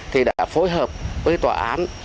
thì đã phối hợp với tòa án